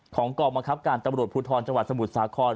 ของกรรมรับการตฐบปลวดพุทธรจังหวัดสมุทรสาขอน